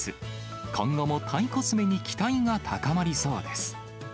今後もタイコスメに期待が高まりそうです。